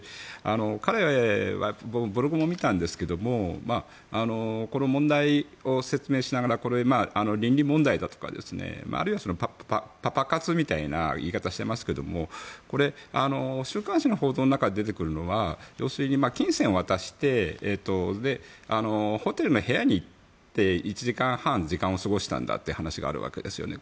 彼はブログを見たんですけどこの問題を説明しながらこれ、倫理問題だとかあるいはパパ活みたいな言い方をしていますけどこれ、週刊誌の報道の中に出てくるのは金銭を渡してホテルの部屋に行って１時間半時間を過ごしたんだという話があるわけですよね。